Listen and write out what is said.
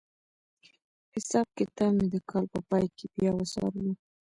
حساب کتاب مې د کال په پای کې بیا وڅارلو.